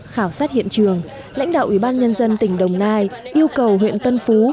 khảo sát hiện trường lãnh đạo ủy ban nhân dân tỉnh đồng nai yêu cầu huyện tân phú